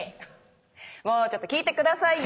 もうちょっと聞いてくださいよ。